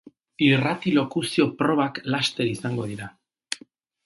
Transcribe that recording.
Irrati-lokuzio probak laster izango dira.